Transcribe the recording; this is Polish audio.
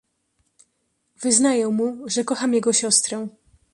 "Wyznaję mu, że kocham jego siostrę."